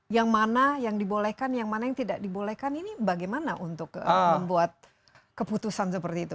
yang mana yang dibolehkan yang mana yang tidak dibolehkan ini bagaimana untuk membuat keputusan seperti itu